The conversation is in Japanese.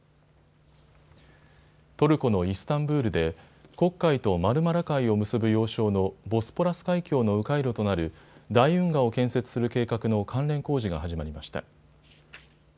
トルコのイスタンブールで黒海とマルマラ海を結ぶ要衝のボスポラス海峡のう回路となる大運河を建設する計画の関連工事が始まりました。